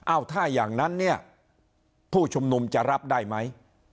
ถ้าอย่างนั้นเนี่ยผู้ชุมนุมจะรับได้ไหม